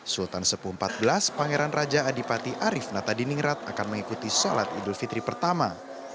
sultan sepuh xiv pangeran raja adipati arif natadiningrat akan mengikuti sholat idul fitri pertama